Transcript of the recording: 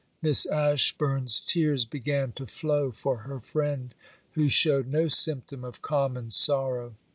Miss Ashburn's tears began to flow for her friend, who showed no symptom of common sorrow.